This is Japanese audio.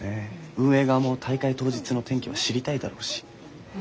運営側も大会当日の天気は知りたいだろうし。